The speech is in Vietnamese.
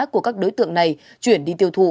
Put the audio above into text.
của các đối tượng này chuyển đi tiêu thụ